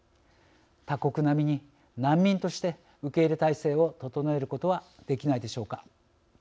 他国並みに難民として受け入れ態勢を整えることはできないでしょうか。